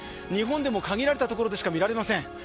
日本でも限られた所でしか見られません。